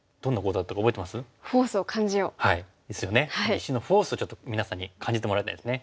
石のフォースをちょっと皆さんに感じてもらいたいですね。